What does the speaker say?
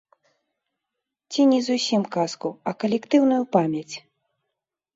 Ці не зусім казку, а калектыўную памяць.